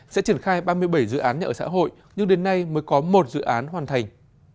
sẽ triển khai ba mươi bảy dự án nhà ở xã hội nhưng đến nay mới có một dự án hoàn thành